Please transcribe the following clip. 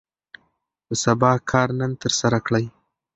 د سبا کار نن ترسره کړئ.